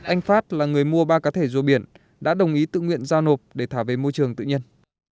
anh phát là người mua ba cá thể rùa biển đã đồng ý tự nguyện giao nộp để thả về môi trường tự nhiên